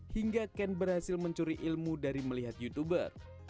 hingga ken berhasil mencuri ilmu dari melihat youtuber